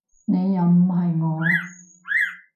你又唔係我